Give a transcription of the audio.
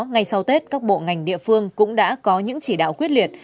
ngay sau tết các bộ ngành địa phương cũng đã có những chỉ đạo quyết liệt